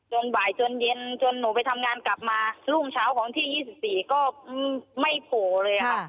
บ่ายจนเย็นจนหนูไปทำงานกลับมารุ่งเช้าของวันที่๒๔ก็ไม่โผล่เลยค่ะ